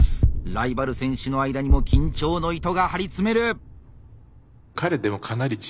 ライバル選手の間にも緊張の糸が張り詰める！